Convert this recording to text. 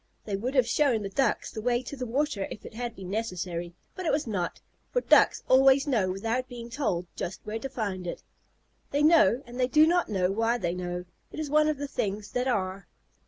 They would have shown the Ducks the way to the water if it had been necessary, but it was not, for Ducks always know without being told just where to find it. They know, and they do not know why they know. It is one of the things that are.